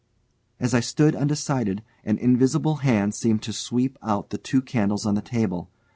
As I stood undecided, an invisible hand seemed to sweep out the two candles on the table.